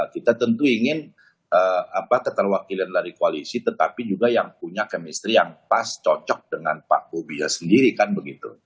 kita tentu ingin ketan wakil dari koalisi tetapi juga yang punya kemistri yang pas cocok dengan pak bobi